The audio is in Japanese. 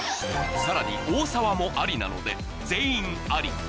さらに大沢も「あり」なので全員「あり」